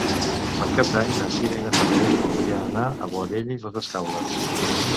Per Cap d'Any na Sira i na Farners voldrien anar a Boadella i les Escaules.